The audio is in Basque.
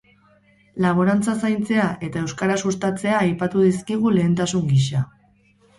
Laborantza zaintzea eta euskara sustatzea aipatu dizkigu lehentasun gisa.